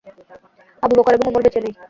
Abu Bakr এবং ওমরও বেঁচে নেই।